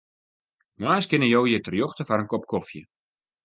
Moarns kinne jo hjir terjochte foar in kop kofje.